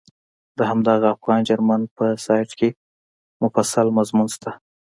د همدغه افغان جرمن په سایټ کې مفصل مضمون شته.